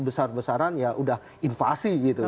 besar besaran ya sudah invasi